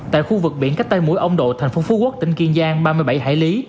tại khu vực biển cách tây mũi ông độ thành phố phú quốc tỉnh kiên giang ba mươi bảy hải lý